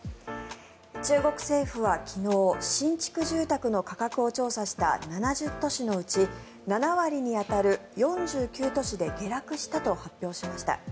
中国政府は昨日新築住宅の価格を調査した７０都市のうち７割に当たる４９都市で下落したと発表しました。